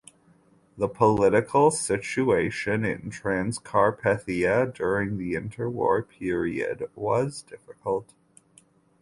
The political situation in Transcarpathia during the Interwar period was difficult.